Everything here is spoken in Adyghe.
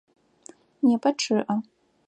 Непэ чъыӏэ.